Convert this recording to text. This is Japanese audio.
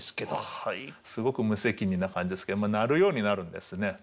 すごく無責任な感じですけどなるようになるんですね。